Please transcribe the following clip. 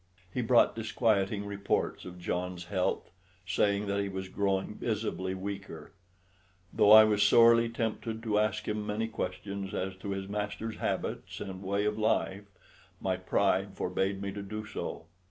He brought disquieting reports of John's health, saying that he was growing visibly weaker. Though I was sorely tempted to ask him many questions as to his master's habits and way of life, my pride forbade me to do so.